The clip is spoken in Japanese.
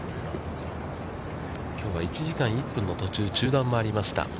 きょうは１時間１分の途中中断もありました。